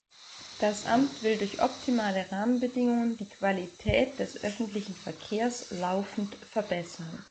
Das Amt will durch optimale Rahmenbedingungen die Qualität des öffentlichen Verkehrs laufend verbessern.